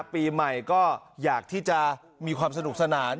ปีใหม่ก็อยากที่จะมีความสนุกสนาน